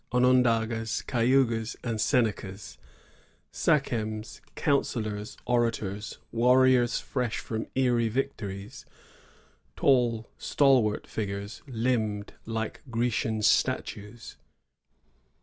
Onondagas, Cayugas, and Senecas; sachems, coun sellors, orators, warriors fresh from Erie victories, tall, stalwart figures, Kmbed Uke Grecian statues.